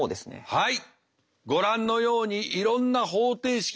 はい。